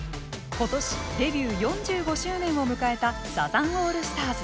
今年デビュー４５周年を迎えたサザンオールスターズ。